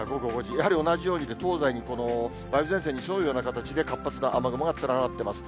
やはり同じように東西に梅雨前線に沿うような形で、活発な雨雲が連なっています。